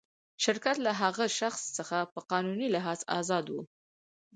شرکت له هغه شخص څخه په قانوني لحاظ آزاد و.